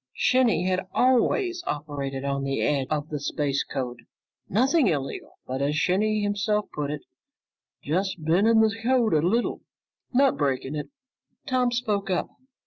Shinny had always operated on the edge of the space code. Nothing illegal, but as Shinny himself put it, 'just bending the code a little, not breaking it.' Tom spoke up.